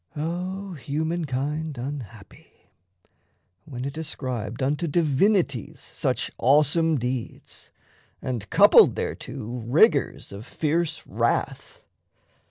O humankind unhappy! when it ascribed Unto divinities such awesome deeds, And coupled thereto rigours of fierce wrath!